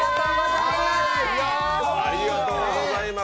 ありがとうございます。